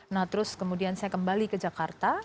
nah terus kemudian saya kembali ke jakarta